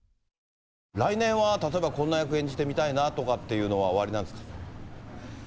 来年は例えばこんな役、演じてみたいなとかっていうのはおありなんですか。